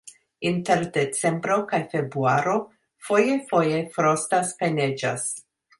Inter decembro kaj februaro foje-foje frostas kaj neĝas.